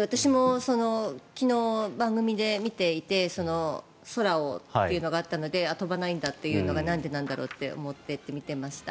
私も昨日、番組で見ていて空をというのがあったので飛ばないんだというのがなんでなんだろうと思って見ていました。